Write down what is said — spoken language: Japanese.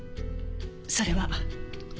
それは。